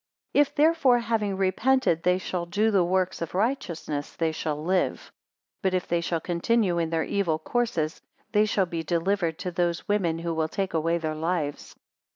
192 If therefore having repented they shall do the works of righteousness, they shall live; but if they shall continue in their evil courses, they shall be delivered to those women who will take away their lives.